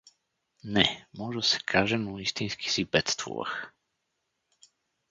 Не — може да се каже, но истински си бедствувах.